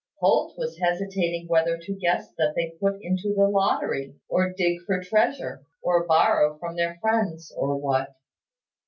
Holt was hesitating whether to guess that they put into the lottery, or dig for treasure, or borrow from their friends, or what.